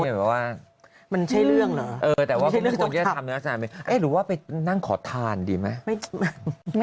มันใช่เรื่องเหรอแต่ว่าหรือว่าไปนั่งขอทานดีไหม